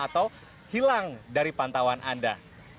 atau hilang dari pantauan anda